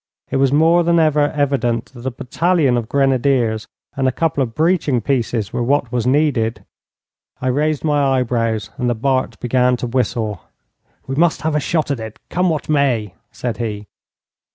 It was more than ever evident that a battalion of grenadiers and a couple of breaching pieces were what was needed. I raised my eyebrows, and the Bart began to whistle. 'We must have a shot at it, come what may,' said he.